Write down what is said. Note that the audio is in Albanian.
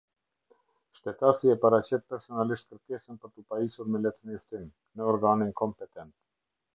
Shtetasi e paraqet personalisht kërkesën për tu pajisur me letërnjoftim, në organin kompetent.